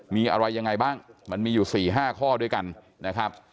มีอะไรยังไงบ้างมันมีอยู่๔๕ข้อด้วยกันนะครับ